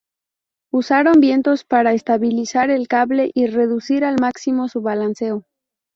Usaron vientos para estabilizar el cable y reducir al máximo su balanceo.